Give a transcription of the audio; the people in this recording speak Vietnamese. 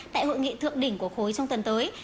tại hội nghị thượng đỉnh của khối trong tuần tới